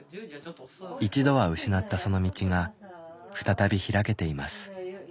一度は失ったその道が再び開けています。